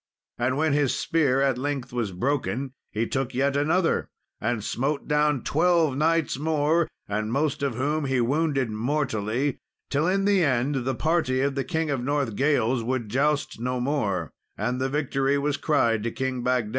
And when his spear at length was broken, he took yet another, and smote down twelve knights more, the most of whom he wounded mortally, till in the end the party of the King of Northgales would joust no more, and the victory was cried to King Bagdemagus.